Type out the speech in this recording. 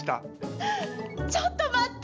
ちょっと待って。